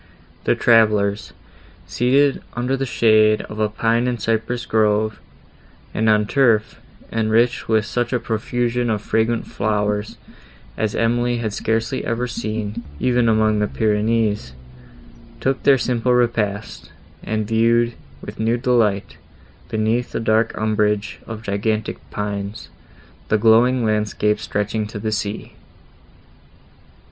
The travellers, seated under the shade of a pine and cypress grove and on turf, enriched with such a profusion of fragrant flowers, as Emily had scarcely ever seen, even among the Pyrenees, took their simple repast, and viewed, with new delight, beneath the dark umbrage of gigantic pines, the glowing landscape stretching to the sea.